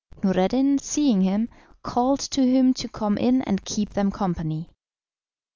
Noureddin, seeing him, called to him to come in and keep them company.